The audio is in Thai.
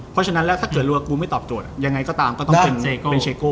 เพราะฉะนั้นแล้วถ้าเกิดรู้ว่ากูไม่ตอบโจทย์ยังไงก็ตามก็ต้องเป็นเชโก้